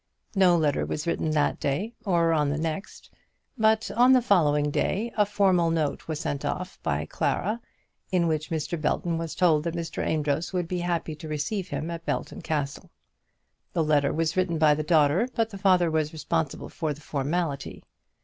No letter was written that day, or on the next; but on the day following a formal note was sent off by Clara, in which Mr. Belton was told that Mr. Amedroz would be happy to receive him at Belton Castle. The letter was written by the daughter, but the father was responsible for the formality.